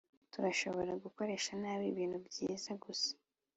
Turashobora gukoresha nabi ibintu byiza gusa